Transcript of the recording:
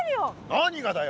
何がだよ？